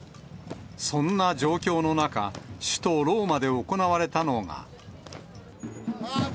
そんな状況の中、首都ローマで行われたのが。